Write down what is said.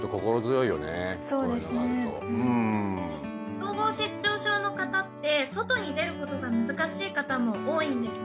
統合失調症の方って外に出ることが難しい方も多いんですね。